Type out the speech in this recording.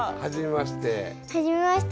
はじめまして。